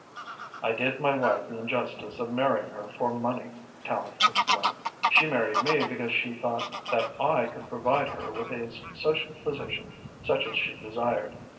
"I did my wife the injustice of marrying her for money," Tallente explained. "She married me because she thought that I could provide her with a social position such as she desired.